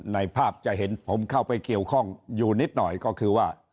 ในภาพจะเห็นผมเข้าไปเกี่ยวข้องอยู่นิดหน่อยก็คือว่า